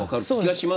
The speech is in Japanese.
そう。